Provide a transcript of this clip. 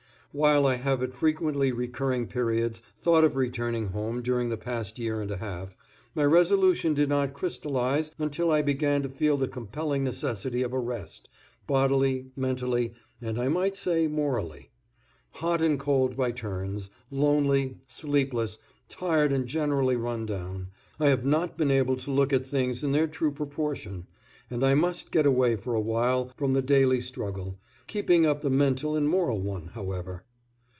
While I have at frequently recurring periods thought of returning home during the past year and a half, my resolution did not crystallize until I began to feel the compelling necessity of a rest, bodily, mentally, and, I might say, morally. Hot and cold by turns, lonely, sleepless, tired and generally run down, I have not been able to look at things in their true proportion, and I must get away for awhile from the daily struggle, keeping up the mental and moral one, however.